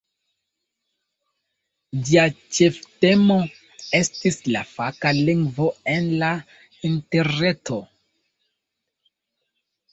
Ĝia ĉeftemo estis "La faka lingvo en la interreto".